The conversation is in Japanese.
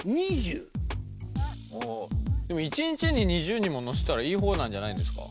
１日に２０人も乗せたらいいほうなんじゃないんですか？